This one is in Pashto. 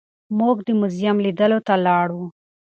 موږ د موزیم لیدلو ته لاړو.